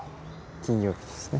金曜日ですね。